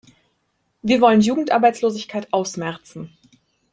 Wir wollen Jugendarbeitslosigkeit ausmerzen.